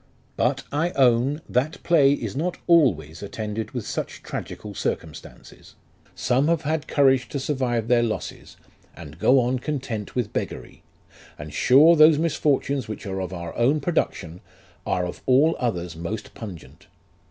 But I own that play is not always attended with such tragical circumstances : some have had courage to survive their losses, and go on content with beggary ; and sure those misfortunes which are of our own production, are of all others most pungent.